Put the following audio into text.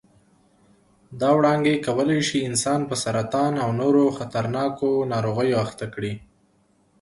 دا وړانګې کولای شي انسان په سرطان او نورو خطرناکو ناروغیو اخته کړي.